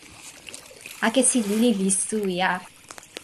akesi lili li suwi a.